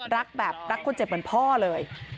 รักแบบรักคนเจ็บเหมือนพ่อเลย